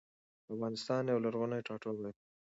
افغانستان يو لرغوني ټاټوبي دي